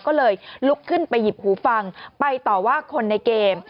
ก็เลยลุกขึ้นไปหยิบหูฟังไปต่อว่าคนในเกม